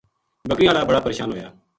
بکریاں ہالا بڑا پریشان ہویا۔